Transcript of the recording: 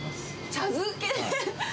茶漬け？